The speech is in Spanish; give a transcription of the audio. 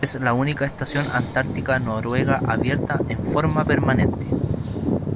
Es la única estación antártica noruega abierta en forma permanente.